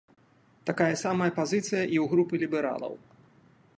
Такая самая пазіцыя і ў групы лібералаў.